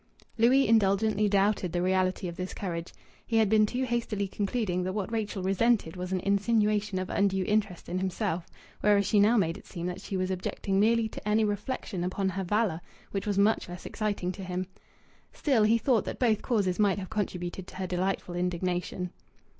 Louis indulgently doubted the reality of this courage. He had been too hastily concluding that what Rachel resented was an insinuation of undue interest in himself, whereas she now made it seem that she was objecting merely to any reflection upon her valour: which was much less exciting to him. Still, he thought that both causes might have contributed to her delightful indignation.